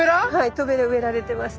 トベラ植えられてます。